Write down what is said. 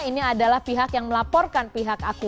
ini adalah pihak yang melaporkan pihak aku